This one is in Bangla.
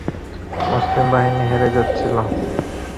মুসলিম বাহিনী হেরে যাচ্ছিল।